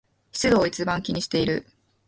湿度を一番気にしている